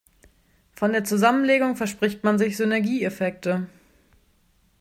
Von der Zusammenlegung verspricht man sich Synergieeffekte.